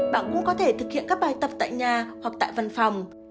bạn cũng có thể thực hiện các bài tập tại nhà hoặc tại văn phòng